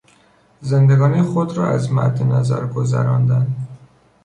زندگانی خود را از مد نظر گذراندن